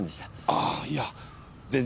あぁいや全然。